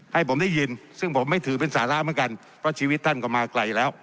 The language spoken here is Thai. ให้ผมได้ยินซึ่งผมไม่ถือเป็นสาระเหมือนกันเพราะชีวิตท่านก็มาไกลแล้ว